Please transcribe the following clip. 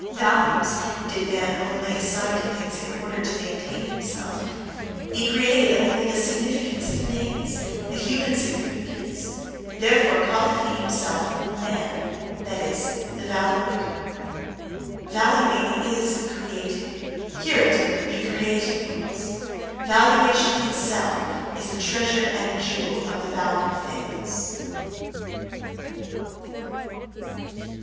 Values did man only assign to things in order to maintain himself he created only the significance of things, a human significance! Therefore, calleth he himself "man," that is, the valuator. Valuing is creating: hear it, ye creating ones! Valuation itself is the treasure and jewel of the valued things.